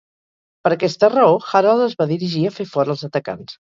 Per aquesta raó, Harald es va dirigir a fer fora els atacants.